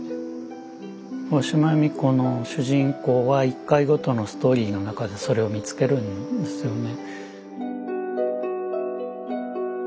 大島弓子の主人公は一回ごとのストーリーの中でそれを見つけるんですよね。